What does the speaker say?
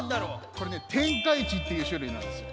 これね天下一っていうしゅるいなんですよ。